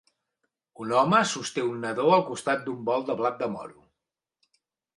Un home sosté un nadó al costat d'un bol de blat de moro.